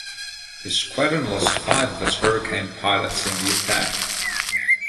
The squadron lost five of its Hurricane pilots in the attack.